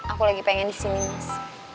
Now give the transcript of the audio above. aku lagi pengen di sini mas